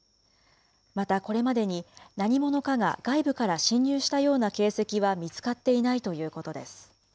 またこれまでに何者かが外部から侵入したような形跡は見つかっていないということです。